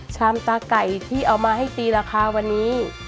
ชามตาไก่ที่เอามาให้ตีราคาวันนี้